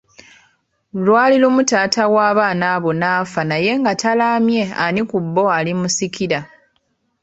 Lwali lumu taata w’abaana bano n'affa naye nga talaamye ani ku bo alimusikira.